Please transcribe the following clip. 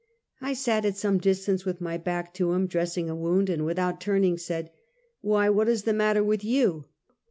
I sat at some distance with my back to him, dress ing a wound ; and, without turning, said, " "Why? "What is the matter with you?"